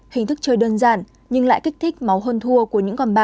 hình thức chơi đơn giản nhưng lại kích thích máu hơn thua của những con bạc